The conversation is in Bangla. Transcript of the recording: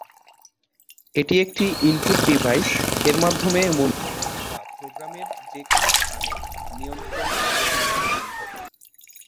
এটি একটি ইনপুট ডিভাইস, এর মাধ্যমে মনিটরের বা প্রোগ্রামের যে কোন স্থানে নিয়ন্ত্রণ প্রতিষ্ঠা সম্ভব।